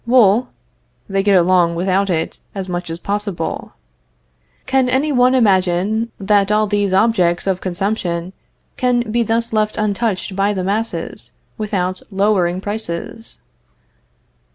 Wool? They get along without it as much as possible. Can any one imagine that all these objects of consumption can be thus left untouched by the masses, without lowering prices?